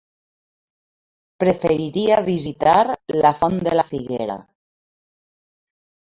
Preferiria visitar la Font de la Figuera.